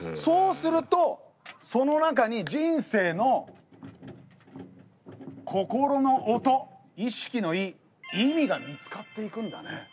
そうするとその中に人生の心の音意識の「意」意味が見つかっていくんだね。